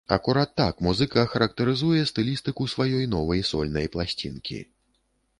Акурат так музыка характарызуе стылістыку сваёй новай сольнай пласцінкі.